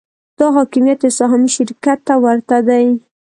دا حاکمیت یو سهامي شرکت ته ورته دی.